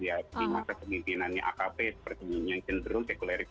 di masa pengimpinannya akp seperti ini yang cenderung sekulerisme